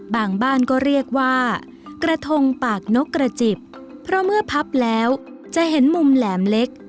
บางบ้านก็เรียกว่ากระทงปากนกกระจิบเพราะเมื่อพับแล้วจะเห็นมุมแหลมเล็ก